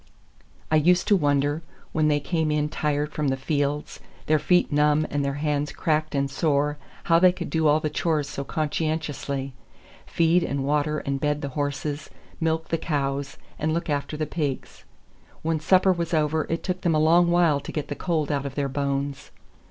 I used to wonder, when they came in tired from the fields, their feet numb and their hands cracked and sore, how they could do all the chores so conscientiously: feed and water and bed the horses, milk the cows, and look after the pigs. When supper was over, it took them a long while to get the cold out of their bones.